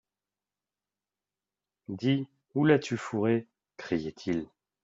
Dis, où l'as-tu fourrée ? criait-il.